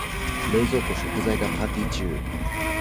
冷蔵庫、食材がパーティ中。